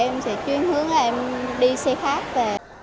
em sẽ chuyên hướng em đi xe khác về